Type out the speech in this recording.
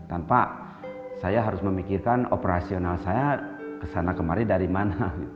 tanpa saya harus memikirkan operasional saya kesana kemari dari mana